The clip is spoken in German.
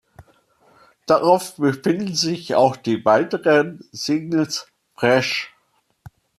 Darauf befinden sich auch die weiteren Singles "Fresh!